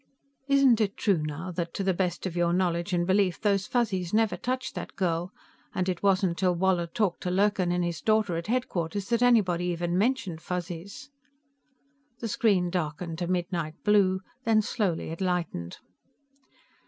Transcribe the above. Isn't it true, now, that to the best of your knowledge and belief those Fuzzies never touched that girl, and it wasn't till Woller talked to Lurkin and his daughter at headquarters that anybody even mentioned Fuzzies?" The screen darkened to midnight blue, and then, slowly, it lightened.